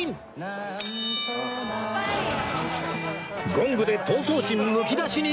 ゴングで闘争心むき出しに！